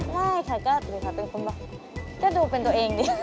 ไม่ค่ะก็ดูเป็นตัวเองดิ